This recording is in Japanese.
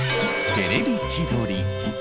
『テレビ千鳥』です。